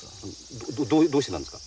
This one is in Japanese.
どうしてなんですか？